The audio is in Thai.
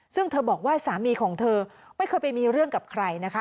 ซึ่งเธอบอกว่าสามีของเธอไม่เคยไปมีเรื่องกับใครนะคะ